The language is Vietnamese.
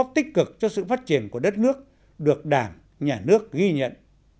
tích cực cho sự phát triển của đất nước được đảng nhà nước ghi nhận